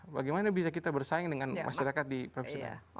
bagaimana bisa kita bersaing dengan masyarakat di presiden